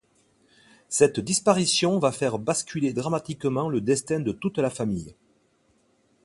Cette disparition va faire basculer dramatiquement le destin de toute la famille.